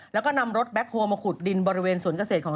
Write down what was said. แล้วก็นำรถแบ็คโฮลมาขุดดินบริเวณสวนเกษตรของ